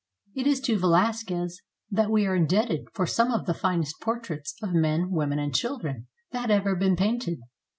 It is to Velasquez that we are indebted for some of the finest portraits of men, women, and children that have ever been painted.